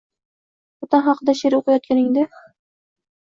Vatan haqida she’r o‘qiyotganingda